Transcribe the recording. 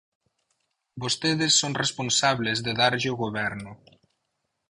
Vostedes son responsables de darlle o goberno.